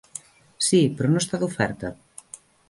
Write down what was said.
Sí, però no està d'oferta.